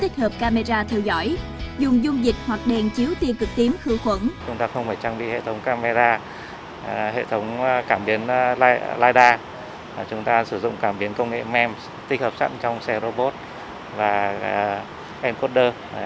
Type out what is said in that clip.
chúng ta sử dụng camera hệ thống cảm biến lidar chúng ta sử dụng cảm biến công nghệ mems tích hợp sẵn trong xe robot và encoder